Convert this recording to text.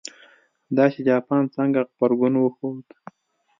دا چې جاپان څنګه غبرګون وښود.